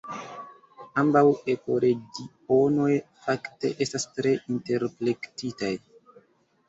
Ambaŭ ekoregionoj fakte estas tre interplektitaj.